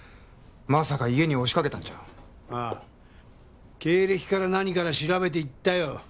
まさか家に押しかけたんじゃああ経歴から何から調べて行ったよ